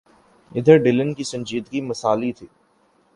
ادھر ڈیلن کی سنجیدگی مثالی تھی۔